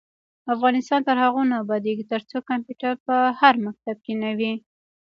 افغانستان تر هغو نه ابادیږي، ترڅو کمپیوټر په هر مکتب کې نه وي.